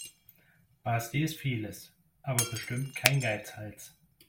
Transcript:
Basti ist vieles, aber bestimmt kein Geizhals.